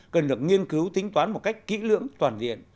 cần được nghiên cứu tính toán một cách kỹ lưỡng toàn diện